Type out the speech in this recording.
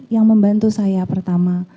yang membantu saya pertama